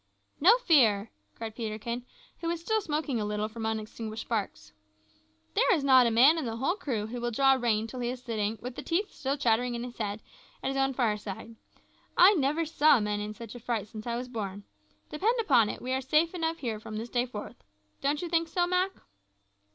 "No fear," cried Peterkin, who was still smoking a little from unextinguished sparks. "There is not a man in the whole crew who will draw rein till he is sitting, with the teeth still chattering in his head, at his own fireside. I never saw men in such a fright since I was born. Depend upon it, we are safe enough here from this day forth. Don't you think so, Mak?"